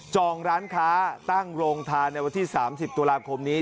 จองร้านค้าตั้งโรงทานในวันที่๓๐ตรนี้